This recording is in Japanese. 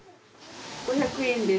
５００円です。